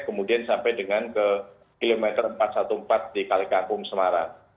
kemudian sampai dengan ke km empat ratus empat belas di kali kampung semarang